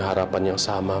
papa mau taufan selamat